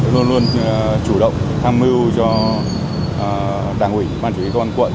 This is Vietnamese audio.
luôn luôn chủ động tham mưu cho đảng ủy ban chỉ huy công an quận